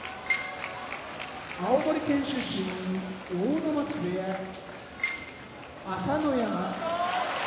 青森県出身阿武松部屋朝乃山